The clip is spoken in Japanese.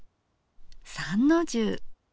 三の重。